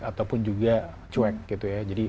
ataupun juga cuek gitu ya